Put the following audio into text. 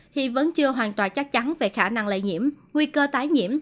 hiện vẫn chưa hoàn toàn chắc chắn về khả năng lây nhiễm nguy cơ tái nhiễm